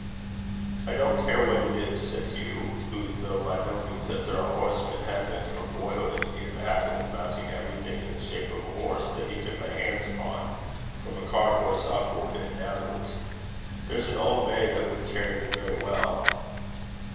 "I don't care what it is," said Hugh; who though by no means a thorough horseman, had been from boyhood in the habit of mounting everything in the shape of a horse that he could lay hands upon, from a cart horse upwards and downwards. "There's an old bay that would carry me very well."